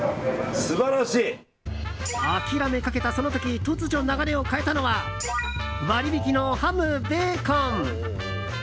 諦めかけた、その時突如流れを変えたのは割引のハム、ベーコン。